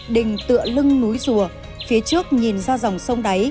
đình tựa lưng núi rùa phía trước nhìn ra dòng sông đáy